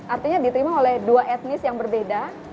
artinya diterima oleh dua etnis yang berbeda